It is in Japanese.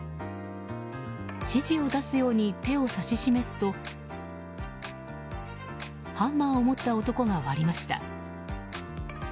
指示を出すように手を指し示すとハンマーを持った男が割りました。